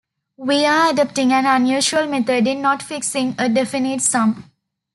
We are adopting an unusual method in not fixing a definite sum.